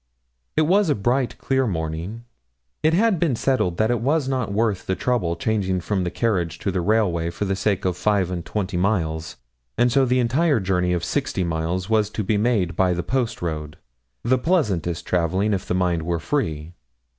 It was a bright, clear morning. It had been settled that it was not worth the trouble changing from the carriage to the railway for sake of five and twenty miles, and so the entire journey of sixty miles was to be made by the post road the pleasantest travelling, if the mind were free.